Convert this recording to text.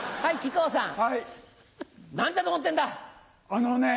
あのね。